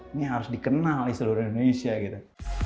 ini harus dikenal di seluruh indonesia gitu